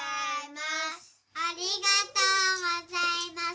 ありがとうございます。